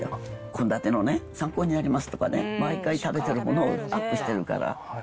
献立の参考になりますとかね、毎回食べてるものをアップしてるから。